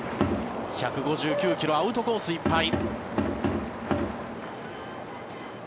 １５９ｋｍアウトコースいっぱい。